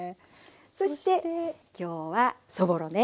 そして今日はそぼろね。